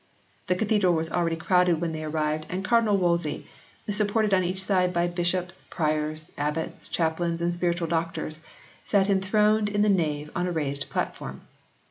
The Cathedral was al ready crowded when they arrived and Cardinal Wolsey, supported on each side by bishops, priors, abbots, chaplains and spiritual doctors, sat enthroned in the nave on a raised platform.